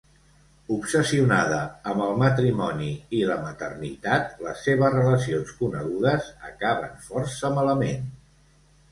Obsessionada amb el matrimoni i la maternitat, les seves relacions conegudes acaben força malament.